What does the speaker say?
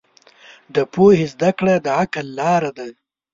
د پوهې زده کړه د عقل لاره ده.